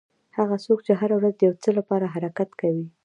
هغه څوک چې هره ورځ د یو څه لپاره حرکت کوي.